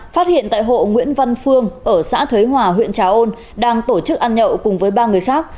phát hiện tại hộ nguyễn văn phương ở xã thới hòa huyện trà ôn đang tổ chức ăn nhậu cùng với ba người khác